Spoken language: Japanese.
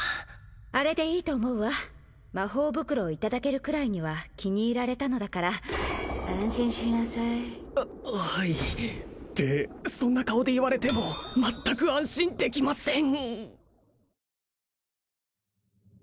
あれでいいと思うわ魔法袋をいただけるくらいには気に入られたのだから安心しなさいははいってそんな顔で言われても全く安心できません！